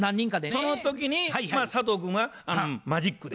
その時に佐藤君はマジックで。